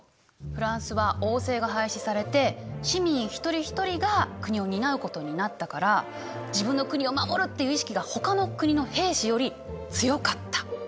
フランスは王政が廃止されて市民一人一人が国を担うことになったから自分の国を守るっていう意識がほかの国の兵士より強かった。